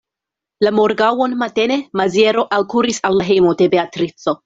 La morgaŭon matene Maziero alkuris al la hejmo de Beatrico.